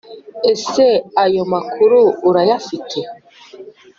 ese ayo makuru urayafite?